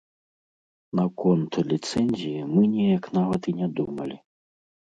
Наконт ліцэнзіі мы неяк нават і не думалі.